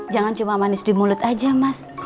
jangan cuma manis di mulut aja mas